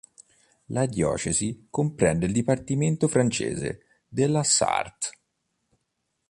La diocesi comprende il dipartimento francese della Sarthe.